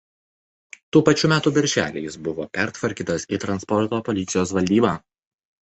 Tų pačių metų birželį jis buvo pertvarkytas į Transporto policijos valdybą.